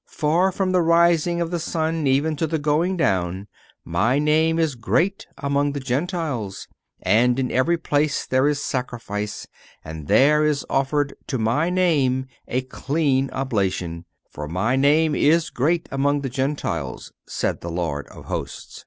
For, from the rising of the sun, even to the going down, My name is great among the Gentiles, and in every place there is sacrifice, and there is offered to My name a clean oblation; for My Name is great among the Gentiles, saith the Lord of hosts."